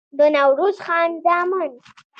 د نوروز خان زامن